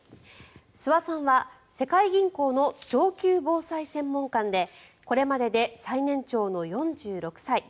諏訪さんは世界銀行の上級防災専門官でこれまでで最年長の４６歳。